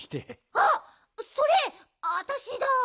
あっそれあたしだ。